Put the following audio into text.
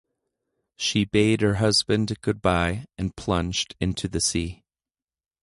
She bade her husband goodbye and plunged into the sea.